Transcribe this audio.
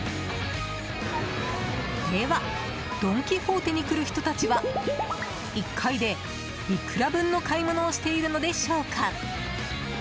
では、ドン・キホーテに来る人たちは１回で、いくら分の買い物をしているのでしょうか。